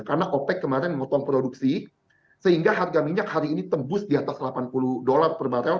karena opec kemarin memotong produksi sehingga harga minyak hari ini tembus di atas delapan puluh dolar per barel